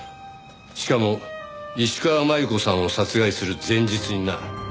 しかも石川真悠子さんを殺害する前日にな。